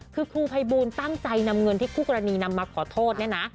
คือครูภัยบูลตั้งใจนำเงินที่คู่กรณีนำมาขอโทษเนี่ยนะ